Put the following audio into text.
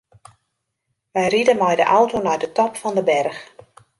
Wy ride mei de auto nei de top fan de berch.